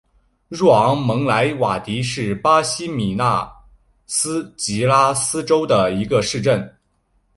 若昂蒙莱瓦迪是巴西米纳斯吉拉斯州的一个市镇。